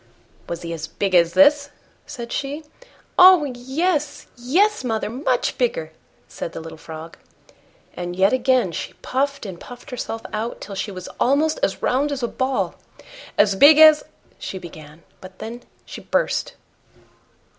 "Was he as big as this?" said she. "Oh! yes, yes, mother, MUCH bigger," said the little Frog. And yet again she puffed and puffed herself out till she was almost as round as a ball. "As big as...?" she began but then she burst.